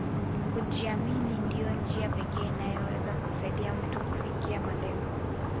Kujiamini ndio njia pekee inayoweza kumsaidia mtu kufikia malengo